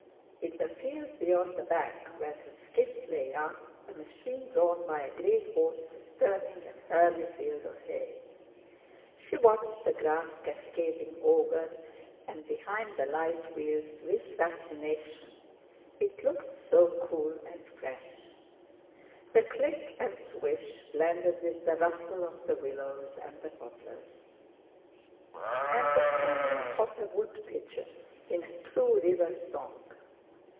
In the field beyond the bank where her skiff lay up, a machine drawn by a grey horse was turning an early field of hay. She watched the grass cascading over and behind the light wheels with fascination—it looked so cool and fresh. The click and swish blended with the rustle of the willows and the poplars, and the cooing of a wood pigeon, in a true river song.